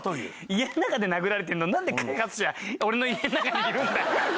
家の中で殴られてるのになんで開発者俺の家の中にいるんだよ。